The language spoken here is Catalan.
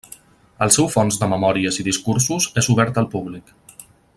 El seu fons de memòries i discursos és obert al públic.